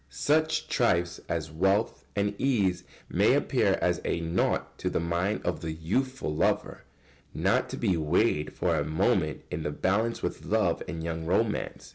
Such trifles as wealth and ease may appear as nought to the mind of the youthful lover, not to be weighed for a moment in the balance with love and young romance.